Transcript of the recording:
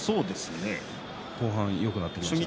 後半、よくなってきましたね。